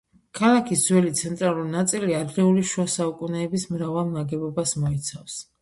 ქალაქის ძველი, ცენტრალური ნაწილი ადრეული შუა საუკუნეების მრავალ ნაგებობას მოიცავს.